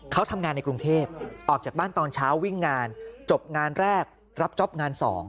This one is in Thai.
เขาทำงานในกรุงเทพออกจากบ้านตอนเช้าวิ่งงานจบงานแรกรับจ๊อปงาน๒